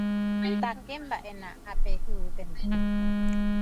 Takemba'éna ápe, yvýpente.